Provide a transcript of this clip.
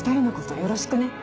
よろしくね。